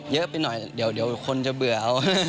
เยอะไปหน่อยเดี๋ยวคนจะเบื่อเอา